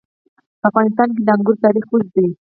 په افغانستان کې د انګور تاریخ اوږد دی.